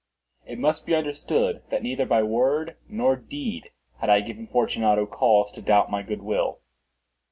It must be understood, that neither by word nor deed had I given Fortunato cause to doubt my good will.